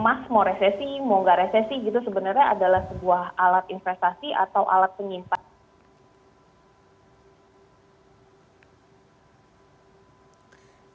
mas mau resesi mau nggak resesi gitu sebenarnya adalah sebuah alat investasi atau alat penyimpanan